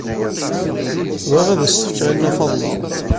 Bɣiɣ ad as-t-fkeɣ i Nna Faḍma.